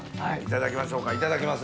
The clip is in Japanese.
いただきます。